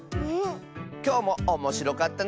きょうもおもしろかったね！